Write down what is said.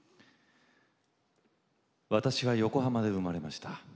私は横浜で生まれました。